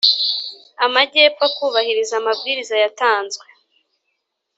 Amajyepfo kubahiriza amabwiriza yatanzwe